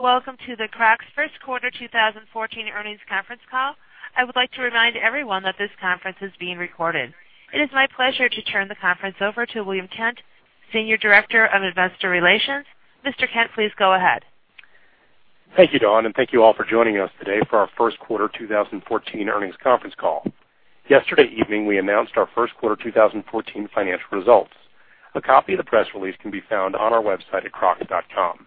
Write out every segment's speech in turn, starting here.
Welcome to the Crocs first quarter 2014 earnings conference call. I would like to remind everyone that this conference is being recorded. It is my pleasure to turn the conference over to William Kent, Senior Director of Investor Relations. Mr. Kent, please go ahead. Thank you, Dawn. Thank you all for joining us today for our first quarter 2014 earnings conference call. Yesterday evening, we announced our first quarter 2014 financial results. A copy of the press release can be found on our website at crocs.com.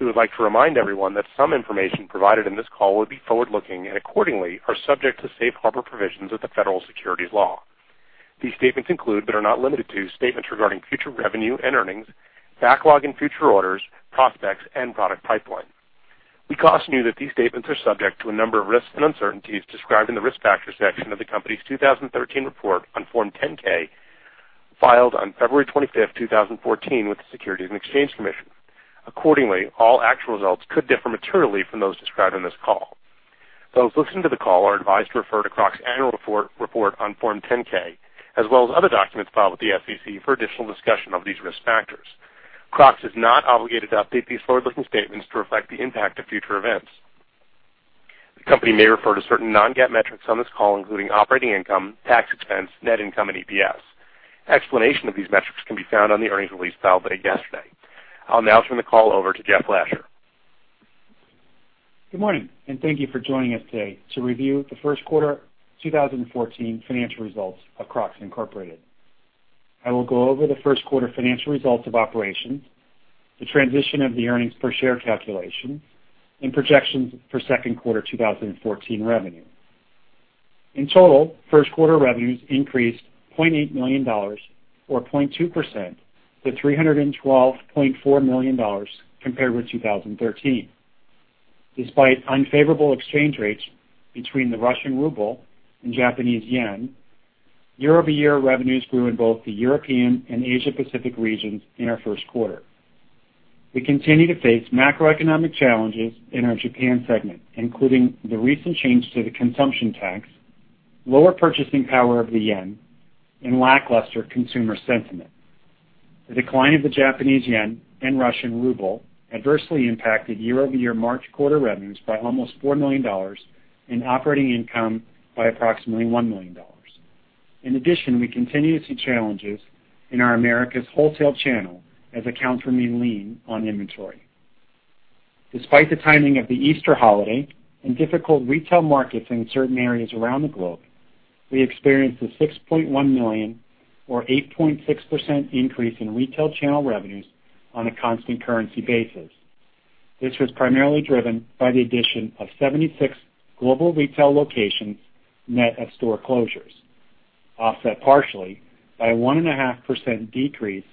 We would like to remind everyone that some information provided in this call will be forward-looking and accordingly, are subject to Safe Harbor provisions of the Federal Securities Law. These statements include, but are not limited to, statements regarding future revenue and earnings, backlog and future orders, prospects, and product pipeline. We caution you that these statements are subject to a number of risks and uncertainties described in the Risk Factors section of the company's 2013 report on Form 10-K, filed on February 25th, 2014, with the Securities and Exchange Commission. Accordingly, all actual results could differ materially from those described on this call. Those listening to the call are advised to refer to Crocs' annual report on Form 10-K, as well as other documents filed with the SEC for additional discussion of these risk factors. Crocs is not obligated to update these forward-looking statements to reflect the impact of future events. The company may refer to certain non-GAAP metrics on this call, including operating income, tax expense, net income, and EPS. Explanation of these metrics can be found on the earnings release filed today yesterday. I'll now turn the call over to Jeff Lasher. Good morning. Thank you for joining us today to review the first quarter 2014 financial results of Crocs, Inc. I will go over the first quarter financial results of operations, the transition of the earnings per share calculation, and projections for second quarter 2014 revenue. In total, first quarter revenues increased $0.8 million, or 0.2%, to $312.4 million compared with 2013. Despite unfavorable exchange rates between the Russian ruble and Japanese yen, year-over-year revenues grew in both the European and Asia Pacific regions in our first quarter. We continue to face macroeconomic challenges in our Japan segment, including the recent change to the consumption tax, lower purchasing power of the yen, and lackluster consumer sentiment. The decline of the Japanese yen and Russian ruble adversely impacted year-over-year March quarter revenues by almost $4 million and operating income by approximately $1 million. In addition, we continue to see challenges in our Americas wholesale channel as accounts remain lean on inventory. Despite the timing of the Easter holiday and difficult retail markets in certain areas around the globe, we experienced a $6.1 million or 8.6% increase in retail channel revenues on a constant currency basis. This was primarily driven by the addition of 76 global retail locations net of store closures, offset partially by a 1.5% decrease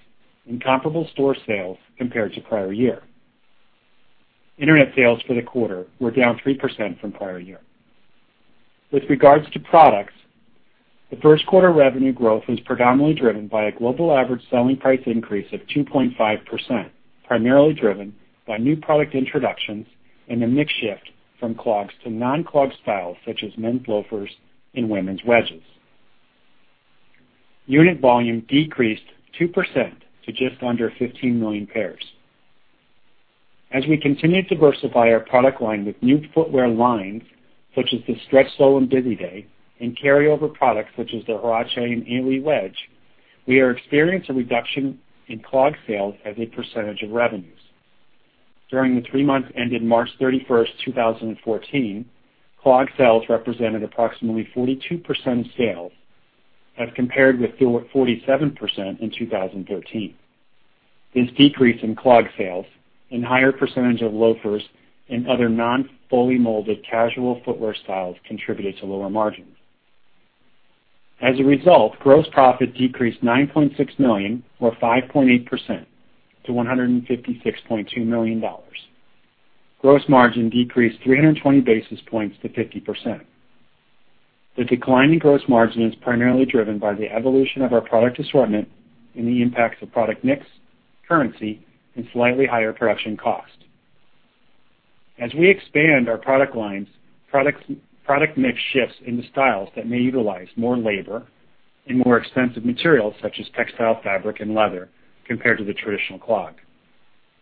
in comparable store sales compared to prior year. Internet sales for the quarter were down 3% from prior year. With regards to products, the first quarter revenue growth was predominantly driven by a global average selling price increase of 2.5%, primarily driven by new product introductions and a mix shift from clogs to non-clog styles such as men's loafers and women's wedges. Unit volume decreased 2% to just under 15 million pairs. As we continue to diversify our product line with new footwear lines such as the Stretch Sole and Busy Day, and carryover products such as the Huarache and A-Leigh wedge, we are experiencing a reduction in clog sales as a percentage of revenues. During the three months ended March 31st, 2014, clog sales represented approximately 42% of sales as compared with 47% in 2013. This decrease in clog sales and higher percentage of loafers and other non-fully molded casual footwear styles contributed to lower margins. As a result, gross profit decreased $9.6 million or 5.8% to $156.2 million. Gross margin decreased 320 basis points to 50%. The decline in gross margin is primarily driven by the evolution of our product assortment and the impacts of product mix, currency, and slightly higher production cost. As we expand our product lines, product mix shifts into styles that may utilize more labor and more expensive materials such as textile fabric and leather compared to the traditional clog.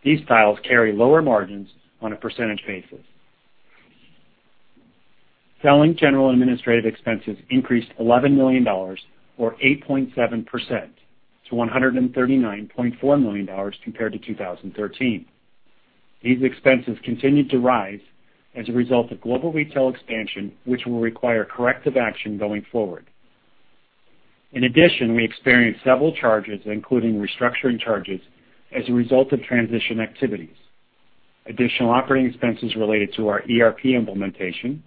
These styles carry lower margins on a percentage basis. Selling General Administrative expenses increased $11 million or 8.7% to $139.4 million compared to 2013. These expenses continued to rise as a result of global retail expansion, which will require corrective action going forward. In addition, we experienced several charges including restructuring charges as a result of transition activities, additional operating expenses related to our ERP implementation,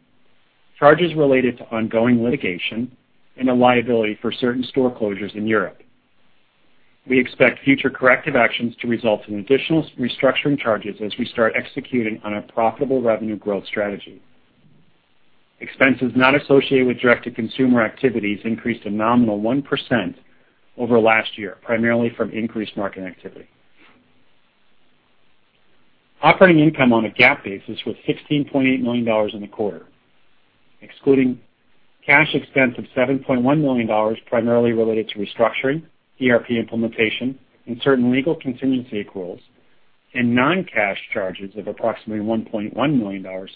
charges related to ongoing litigation, and a liability for certain store closures in Europe. We expect future corrective actions to result in additional restructuring charges as we start executing on a profitable revenue growth strategy. Expenses not associated with direct-to-consumer activities increased a nominal 1% over last year, primarily from increased marketing activity. Operating income on a GAAP basis was $16.8 million in the quarter. Excluding cash expense of $7.1 million, primarily related to restructuring, ERP implementation, and certain legal contingency accruals, and non-cash charges of approximately $1.1 million,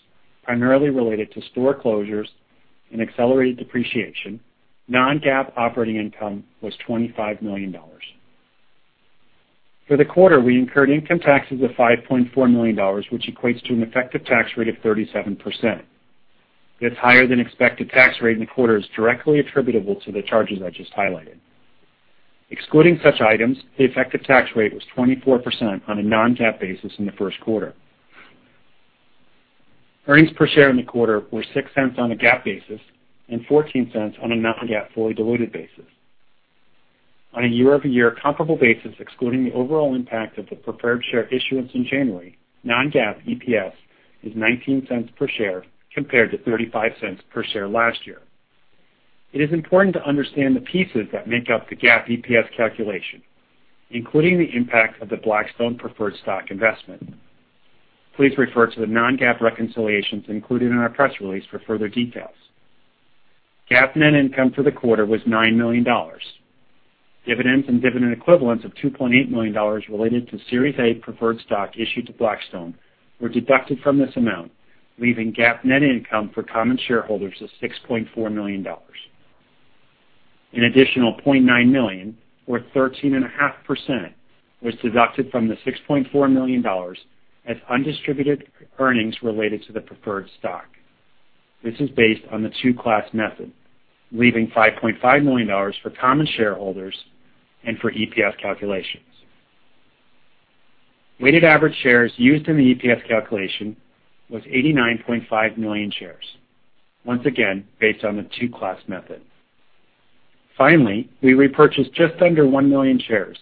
primarily related to store closures and accelerated depreciation, non-GAAP operating income was $25 million. For the quarter, we incurred income taxes of $5.4 million, which equates to an effective tax rate of 37%. This higher than expected tax rate in the quarter is directly attributable to the charges I just highlighted. Excluding such items, the effective tax rate was 24% on a non-GAAP basis in the first quarter. Earnings per share in the quarter were $0.06 on a GAAP basis and $0.14 on a non-GAAP fully diluted basis. On a year-over-year comparable basis, excluding the overall impact of the preferred share issuance in January, non-GAAP EPS is $0.19 per share compared to $0.35 per share last year. It is important to understand the pieces that make up the GAAP EPS calculation, including the impact of the Blackstone preferred stock investment. Please refer to the non-GAAP reconciliations included in our press release for further details. GAAP net income for the quarter was $9 million. Dividends and dividend equivalents of $2.8 million related to Series A preferred stock issued to Blackstone were deducted from this amount, leaving GAAP net income for common shareholders of $6.4 million. An additional $0.9 million, or 13.5%, was deducted from the $6.4 million as undistributed earnings related to the preferred stock. This is based on the two-class method, leaving $5.5 million for common shareholders and for EPS calculations. Weighted average shares used in the EPS calculation was 89.5 million shares. Once again, based on the two-class method. Finally, we repurchased just under 1 million shares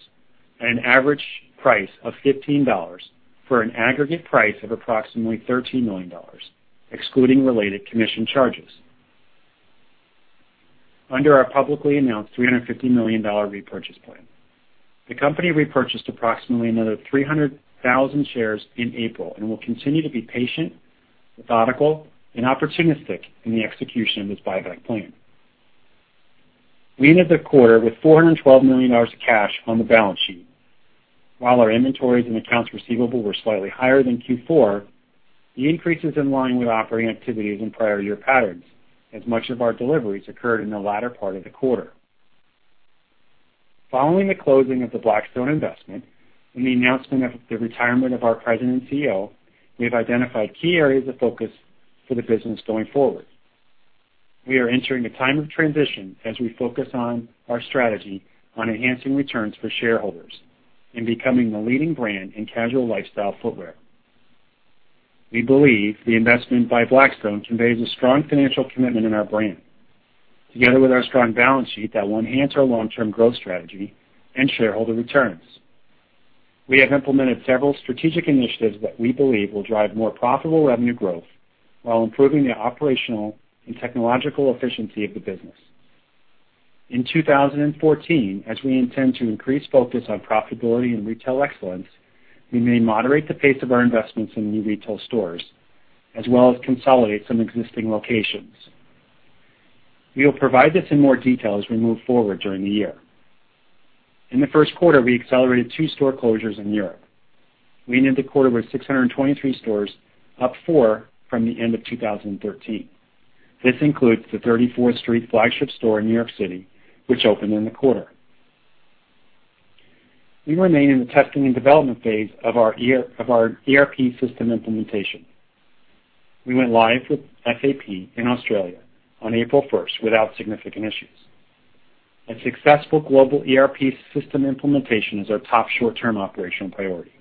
at an average price of $15 for an aggregate price of approximately $13 million, excluding related commission charges, under our publicly announced $350 million repurchase plan. The company repurchased approximately another 300,000 shares in April and will continue to be patient, methodical, and opportunistic in the execution of this buyback plan. We ended the quarter with $412 million of cash on the balance sheet. While our inventories and accounts receivable were slightly higher than Q4, the increase is in line with operating activities in prior year patterns, as much of our deliveries occurred in the latter part of the quarter. Following the closing of the Blackstone investment and the announcement of the retirement of our President and CEO, we have identified key areas of focus for the business going forward. We are entering a time of transition as we focus on our strategy on enhancing returns for shareholders and becoming the leading brand in casual lifestyle footwear. We believe the investment by Blackstone conveys a strong financial commitment in our brand, together with our strong balance sheet that will enhance our long-term growth strategy and shareholder returns. We have implemented several strategic initiatives that we believe will drive more profitable revenue growth while improving the operational and technological efficiency of the business. In 2014, as we intend to increase focus on profitability and retail excellence, we may moderate the pace of our investments in new retail stores, as well as consolidate some existing locations. We will provide this in more detail as we move forward during the year. In the first quarter, we accelerated two store closures in Europe. We ended the quarter with 623 stores, up four from the end of 2013. This includes the 34th Street flagship store in New York City, which opened in the quarter. We remain in the testing and development phase of our ERP system implementation. We went live with SAP in Australia on April 1st without significant issues. A successful global ERP system implementation is our top short-term operational priority.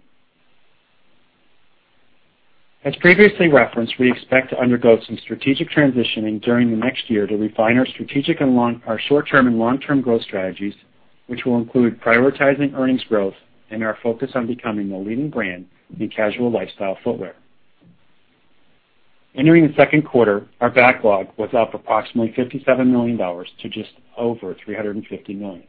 As previously referenced, we expect to undergo some strategic transitioning during the next year to refine our strategic and our short-term and long-term growth strategies, which will include prioritizing earnings growth and our focus on becoming the leading brand in casual lifestyle footwear. Entering the second quarter, our backlog was up approximately $57 million to just over $350 million.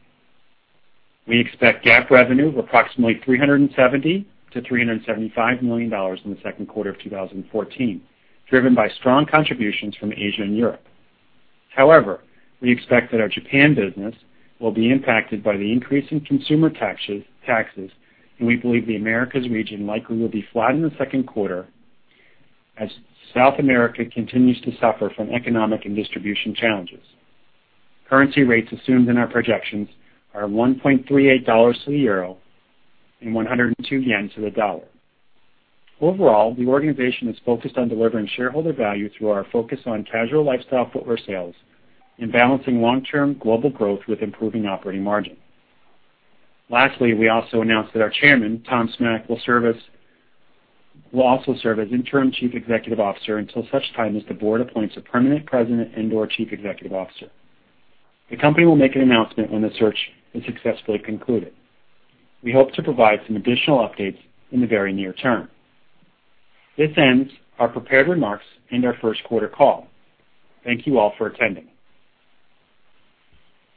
We expect GAAP revenue of approximately $370 million-$375 million in the second quarter of 2014, driven by strong contributions from Asia and Europe. However, we expect that our Japan business will be impacted by the increase in consumer taxes, and we believe the Americas region likely will be flat in the second quarter as South America continues to suffer from economic and distribution challenges. Currency rates assumed in our projections are $1.38 to the EUR and JPY 102 to the dollar. Overall, the organization is focused on delivering shareholder value through our focus on casual lifestyle footwear sales and balancing long-term global growth with improving operating margin. We also announced that our Chairman, Tom Smach, will also serve as Interim Chief Executive Officer until such time as the board appoints a permanent President and/or Chief Executive Officer. The company will make an announcement when the search is successfully concluded. We hope to provide some additional updates in the very near term. This ends our prepared remarks and our first quarter call. Thank you all for attending.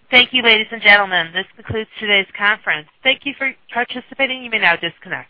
Thank you, ladies and gentlemen. This concludes today's conference. Thank you for participating. You may now disconnect.